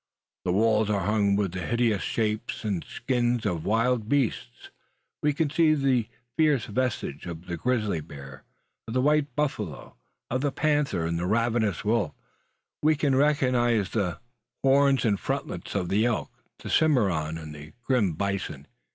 The walls are hung with hideous shapes and skins of wild beasts. We can see the fierce visages of the grizzly bear, of the white buffalo, of the carcajou, of the panther, and the ravenous wolf. We can recognise the horns and frontlets of the elk, the cimmaron, and the grim bison.